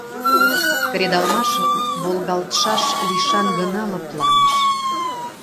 Кредалмаш волгалтшаш лишан гына лыпланыш.